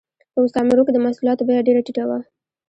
په مستعمرو کې د محصولاتو بیه ډېره ټیټه وه